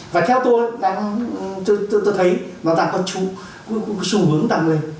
và theo tôi tôi thấy nó đang có xu hướng đang lên